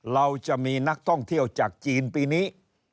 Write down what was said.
เราจะมีนักท่องเที่ยวจากจีนปีนี้